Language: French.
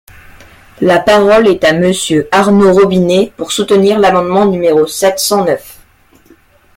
La parole est à Monsieur Arnaud Robinet, pour soutenir l’amendement numéro sept cent neuf.